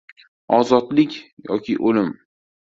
«Ozodlik yoki o‘lim»...